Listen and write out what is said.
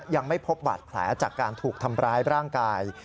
ยังไม่พบบาดแผลจากการถูกทำร้ายร่างกาย